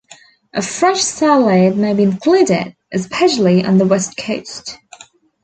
A fresh salad may be included, especially on the West Coast.